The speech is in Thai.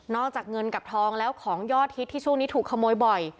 จากเงินกับทองแล้วของยอดฮิตที่ช่วงนี้ถูกขโมยบ่อย